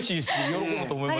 喜ぶと思います。